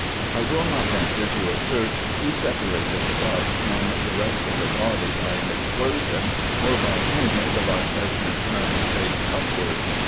I will not venture to assert who separated the bust from the rest of the body 40 RESEARCHES AND OPERATIONS by an explosion, or by whom the bust has been turned face upwards.